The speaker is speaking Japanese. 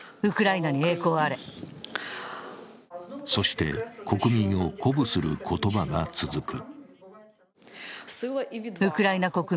そして、国民を鼓舞する言葉が続く。